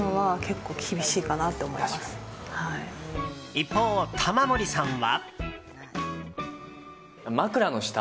一方、玉森さんは。